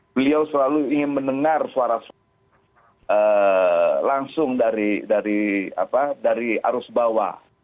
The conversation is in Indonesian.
beliau selalu ingin mendengar suara suara langsung dari arus bawah